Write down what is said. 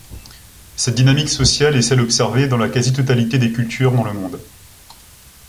Cette dynamique sociale est celle observée dans la quasi-totalité des cultures dans le monde.